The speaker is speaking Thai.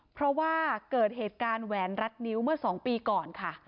เพราะว่าเกิดเหตุการณ์แหวนรัดนิ้วเมื่อ๒ปีก่อนค่ะ